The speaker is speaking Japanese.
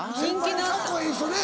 先輩でカッコいい人ね。